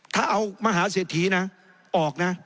ถ้าเอามหาเสถียนะออกนะ